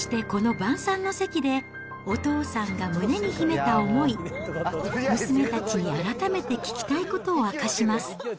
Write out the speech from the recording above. そしてこの晩さんの席で、お父さんが胸に秘めた思い、娘たちに改めて聞きたいことを明かします。